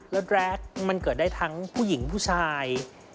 แล้วแรคมันเกิดได้ทั้งผู้หญิงผู้ชาย